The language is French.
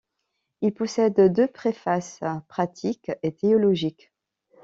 Il possède deux préfaces, pratique et théologique.